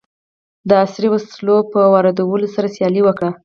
د عصري وسلو په واردولو سره سیالي وکړي.